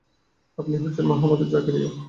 আপনি হচ্ছেন মহামতি জাকারিয়া।